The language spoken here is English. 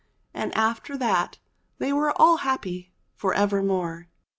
And after that they were all happy for evermore.